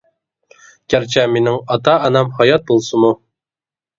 گەرچە مىنىڭ ئاتا ئانام ھايات بولسىمۇ.